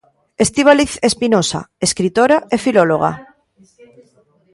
Estíbaliz Espinosa: escritora e filóloga.